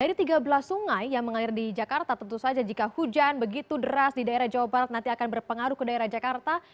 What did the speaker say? dari tiga belas sungai yang mengalir di jakarta tentu saja jika hujan begitu deras di daerah jawa barat nanti akan berpengaruh ke daerah jakarta